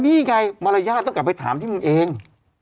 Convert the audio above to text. นี่ไงมารยาทต้องกลับไปถามที่มึงเอง